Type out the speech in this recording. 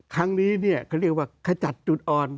ครั้งนี้เนี่ยเขาเรียกว่าขจัดจุดอ่อน